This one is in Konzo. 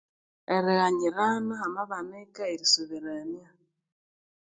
Erighanyirana hamabanika erisubirania